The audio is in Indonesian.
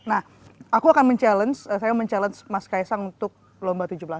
nah aku akan men challenge saya men challenge mas kaisan untuk lomba tujuh belas an